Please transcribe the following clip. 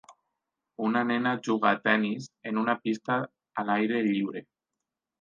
Una nena juga a tenis en una pista a l"aire lliure.